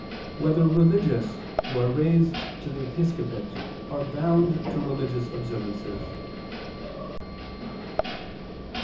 8] Whether Religious Who Are Raised to the Episcopate Are Bound to Religious Observances?